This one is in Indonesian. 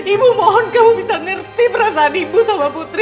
ibu mohon kamu bisa ngerti perasaan ibu sama putri